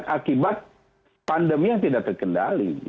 akibat pandemi yang tidak terkendali